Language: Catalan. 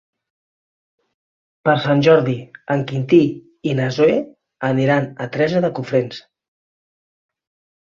Per Sant Jordi en Quintí i na Zoè aniran a Teresa de Cofrents.